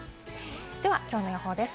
ではきょうの予報です。